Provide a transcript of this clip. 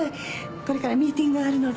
これからミーティングがあるので。